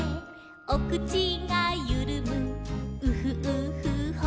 「おくちがゆるむウフウフほっぺ」